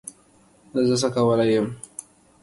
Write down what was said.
زه څه کولای یم